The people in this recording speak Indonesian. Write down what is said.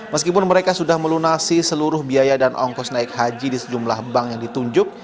meskipun mereka sudah melunasi seluruh biaya dan ongkos naik haji di sejumlah bank yang ditunjuk